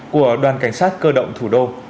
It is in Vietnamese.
của đoàn cảnh sát cơ động thủ đô